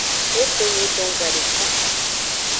Ehonyidon gadeka.